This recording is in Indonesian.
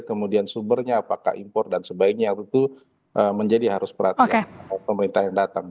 kemudian sumbernya apakah impor dan sebaiknya tentu menjadi harus perhatian pemerintah yang datang